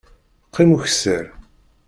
Qqim ukessar!